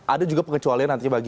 ada juga pengecualian nanti bagi